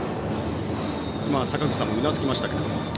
坂口さんもうなずきました。